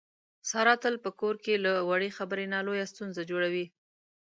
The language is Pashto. ساره تل په کور کې له وړې خبرې نه لویه ستونزه جوړي.